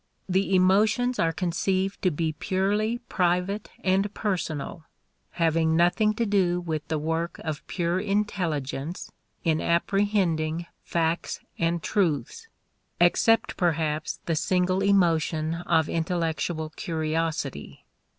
The emotions are conceived to be purely private and personal, having nothing to do with the work of pure intelligence in apprehending facts and truths, except perhaps the single emotion of intellectual curiosity.